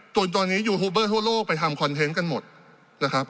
จนตอนนี้ยูทูบเบอร์ทั่วโลกไปทำคอนเทนต์กันหมดนะครับ